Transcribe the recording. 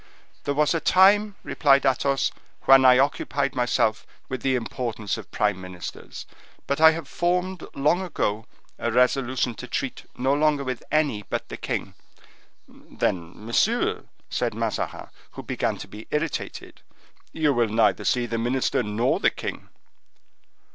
"There was a time," replied Athos, "when I occupied myself with the importance of prime ministers; but I have formed, long ago, a resolution to treat no longer with any but the king." "Then, monsieur," said Mazarin, who began to be irritated, "you will neither see the minister nor the king."